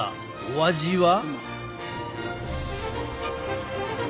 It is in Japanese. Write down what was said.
お味は？